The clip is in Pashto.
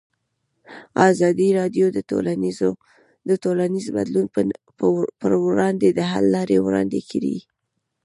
ازادي راډیو د ټولنیز بدلون پر وړاندې د حل لارې وړاندې کړي.